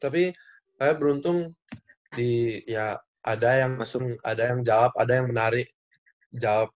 tapi saya beruntung di ya ada yang jawab ada yang menarik jawab